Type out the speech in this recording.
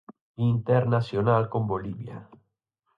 Internacional con Bolivia.